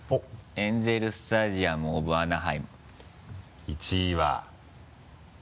「エンゼル・スタジアム・オブ・アナハイム」